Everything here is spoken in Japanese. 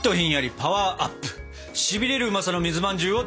しびれるうまさの水まんじゅうを作ります！